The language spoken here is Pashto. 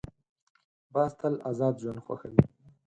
باز تل آزاد ژوند خوښوي